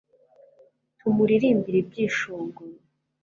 tumuririmbire ibyishongoro